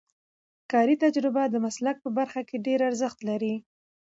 کاري تجربه د مسلک په برخه کې ډېر ارزښت لري.